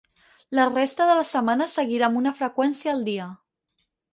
La resta de la setmana seguirà amb una freqüència al dia.